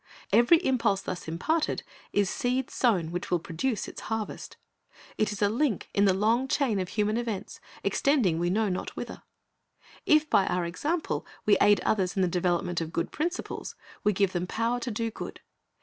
Every impulse thus imparted is seed sown which will produce its harvest. It is a link in the long chain of human events, extending we know not whither. If by our example we aid others in the development of good principles, we give them power to do good.